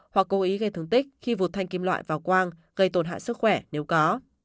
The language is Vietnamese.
hoặc cố ý gây thương tích khi vụt thanh kim loại vào quang gây tổn hại sức khỏe nếu có